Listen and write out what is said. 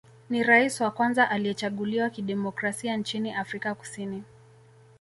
Ni rais wa kwanza aliyechaguliwa kidemokrasia nchini Afrika Kusini